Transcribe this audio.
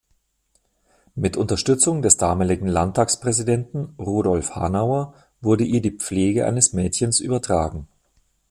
Mit Unterstützung des damaligen Landtagspräsidenten Rudolf Hanauer wurde ihr die Pflege eines Mädchens übertragen.